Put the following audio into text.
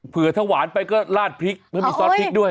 ถ้าหวานไปก็ลาดพริกแล้วมีซอสพริกด้วย